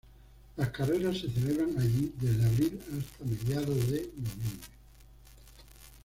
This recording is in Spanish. Las carreras se celebran allí desde abril hasta mediados de noviembre.